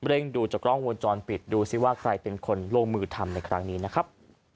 ดูจากกล้องวงจรปิดดูซิว่าใครเป็นคนลงมือทำในครั้งนี้นะครับ